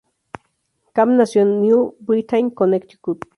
Camp nació en New Britain, Connecticut.